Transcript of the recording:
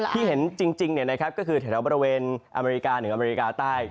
ที่เห็นจริงกันก็คือทระบรเวณอเมริกานึกอเมริกาใต้